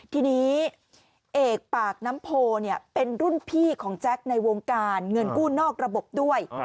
ทีนี้เอกปากน้ำโพเป็นรุ่นพี่ของแจ็คในวงการเงินกู้นอกระบบด้วย